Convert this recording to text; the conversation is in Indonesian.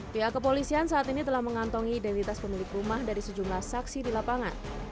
pihak kepolisian saat ini telah mengantongi identitas pemilik rumah dari sejumlah saksi di lapangan